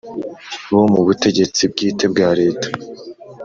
bo mu butegetsi bwite bwa leta